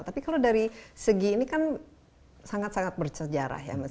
tapi kalau dari segi ini kan sangat sangat bersejarah ya